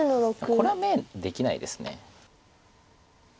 これは眼できないです。